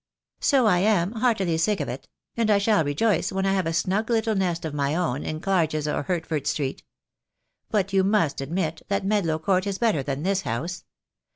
"So I am, heartily sick of it; and I shall rejoice when I have a snug little nest of my own in Clarges or Hert ford Street. But you must admit that Medlow Court is better than this house.